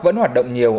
vẫn hoạt động nhiều